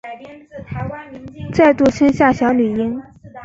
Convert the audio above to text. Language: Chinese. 再度生下小女婴